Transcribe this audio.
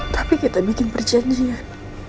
tapi kita bikin perjanjian